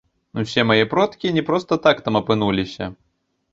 Усе мае продкі не проста так там апынуліся.